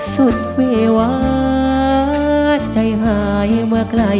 สุดเววาใจหายเมื่อไกล